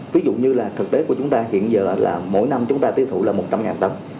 ví dụ như là thực tế của chúng ta hiện giờ là mỗi năm chúng ta tiêu thụ là một trăm linh tấn